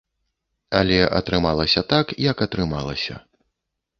Але атрымалася так, як атрымалася.